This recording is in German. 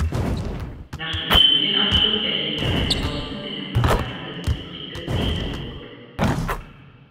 Nach dem Studienabschluss erhielt er einen Posten in der Verwaltung des Distriktes Petersburg.